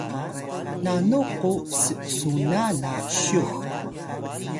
nanu ku s’suna na syux?